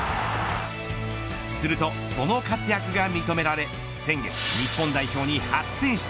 するとその活躍が認められ先月、日本代表に初選出。